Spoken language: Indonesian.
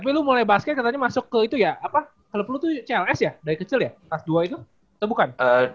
dulu mulai basket katanya masuk ke itu ya apa kalau perlu tuh cls ya dari kecil ya kelas dua itu atau bukan